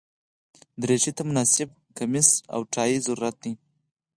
دریشي ته مناسب کمیس او ټای ضروري دي.